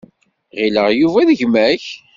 Ɣileɣ Yuba d gma-k.